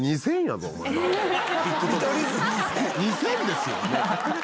２０００ですよ。